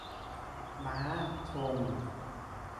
ม้า ธง